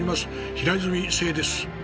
平泉成です。